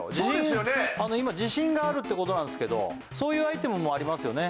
今自信があるってことなんですけどそういうアイテムもありますよね？